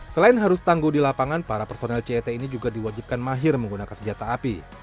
selain harus tangguh di lapangan para personel cet ini juga diwajibkan mahir menggunakan senjata api